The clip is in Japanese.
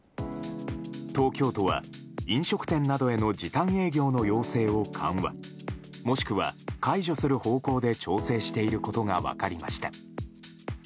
東京都は飲食店などへの時短営業の要請を緩和もしくは解除する方向で調整していることが分かりました。